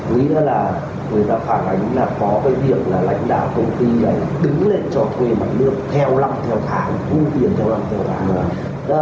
nghĩa là người dân phản ánh đã có cái việc là lãnh đạo công ty này đứng lên cho thuê mặt nước theo lăng theo khả thu tiền theo lăng theo khả